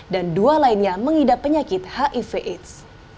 dan dua lainnya mengidap penyakit hiv aids